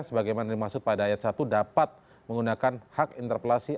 sebagaimana dimaksud pada ayat satu dapat menggunakan hak interpelasi